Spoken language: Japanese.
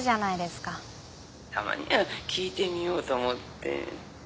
たまには聞いてみようと思って。